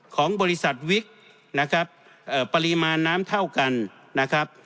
ของบริษัทวิกนะครับปริมาณน้ำเท่ากันนะครับ